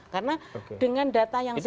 karena dengan data yang simpel